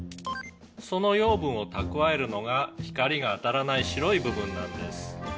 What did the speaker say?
「その養分を蓄えるのが光が当たらない白い部分なんです」